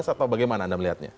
atau bagaimana anda melihatnya